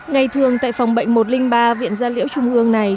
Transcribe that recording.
ngày thường tại phòng bệnh một trăm linh ba viện gia liễu trung ương này